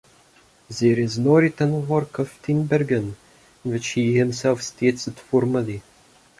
There is no written work of Tinbergen in which he himself states it formally.